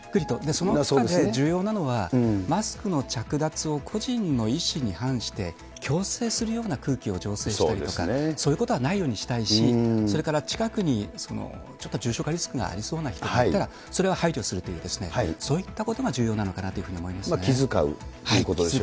その中で重要なのは、マスクの着脱を個人の意思に反して、強制するような空気を醸成したりとか、そういうことはないようにしたいし、それから近くにちょっと重症化リスクがありそうな人がいたら、それは排除するというですね、そういったことが重要なのかなと気遣うということでしょうね。